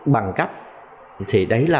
bằng cấp thì đấy là